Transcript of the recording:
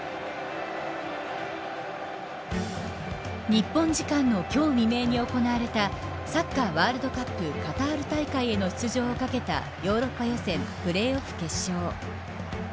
日本時間の今日未明に行われたサッカーワールドカップカタール大会への出場を懸けたヨーロッパ予選プレーオフ決勝。